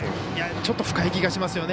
ちょっと深い気がしますよね。